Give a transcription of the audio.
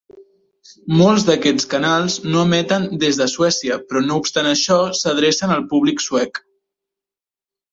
Molts d'aquests canals no emeten des de Suècia, però no obstant això, s'adrecen al públic suec.